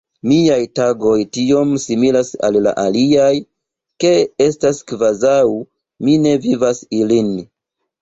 Miaj tagoj tiom similas al la aliaj, ke estas kvazaŭ mi ne vivas ilin.